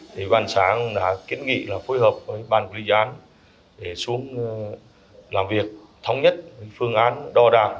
thì ban sáng đã kiến nghị là phối hợp với ban quý gián để xuống làm việc thống nhất phương án đo đạc